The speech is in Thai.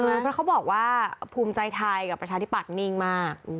เพราะเขาบอกว่าภูมิใจไทยกับประชาธิบัตย์นิ่งมาก